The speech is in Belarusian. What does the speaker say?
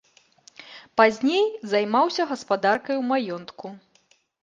Пазней займаўся гаспадаркай у маёнтку.